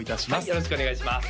よろしくお願いします